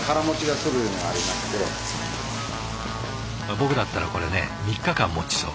僕だったらこれね３日間もちそう。